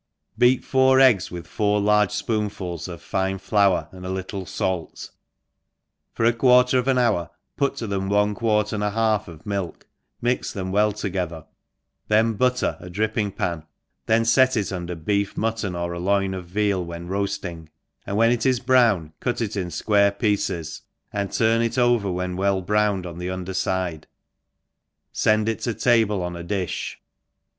BEAT four eggs with four large fpoonful? of ^ne flour^ and a little &lt, for a quarter of an hour, put to them one quart and a half of milk^ mix them well together, then butter ;a dripping pan and fet it under beef, mutton, or a loin of veal when roafting, and when it is brown cut it in fquare pieces and turn it over ; when well browned on the under fide, fend it to table oil a difh.